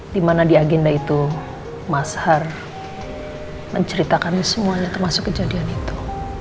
dimana di agenda itu mas har menceritakannya semuanya termasuk kejadian itu